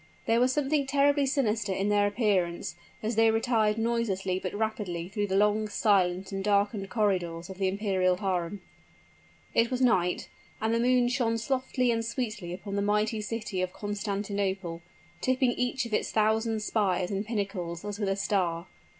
There was something terribly sinister in their appearance, as they retired noiselessly but rapidly through the long, silent and darkened corridors of the imperial harem. It was night and the moon shone softly and sweetly upon the mighty city of Constantinople, tipping each of its thousand spires and pinnacles as with a star.